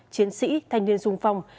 chiến sĩ thanh niên dung phong